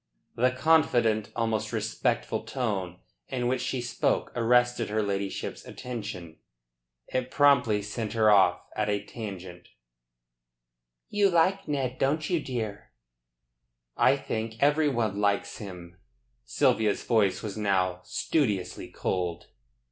The confident, almost respectful, tone in which she spoke arrested her ladyship's attention. It promptly sent her off at a tangent: "You like Ned, don't you, dear?" "I think everybody likes him." Sylvia's voice was now studiously cold.